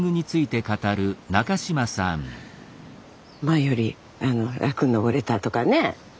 前より楽に登れたとかね